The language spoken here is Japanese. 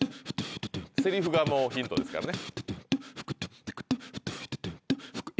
セリフがもうヒントですからね。